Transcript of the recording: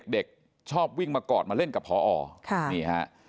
เด็กชอบวิ่งมากอดมาเล่นกับพอนี่ฮะ